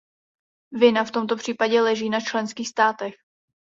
Vina v tomto případě leží na členských státech.